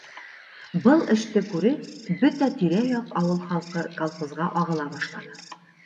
Был эште күреп бөтә тирә-яҡ ауыл халҡы колхозға ағыла башланы.